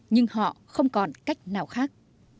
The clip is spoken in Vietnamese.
nhưng họ không còn cách nào khác